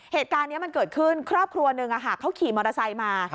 เหตุการณ์นี้มันเกิดขึ้นครอบครัวหนึ่งเขาขี่มอเตอร์ไซค์มา